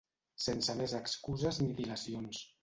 Sense més excuses ni dilacions.